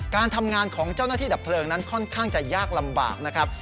การทำงานของเจ้าหน้าที่ดับเพลิงนั้นค่อนข้างจะยากลำบากนะครับ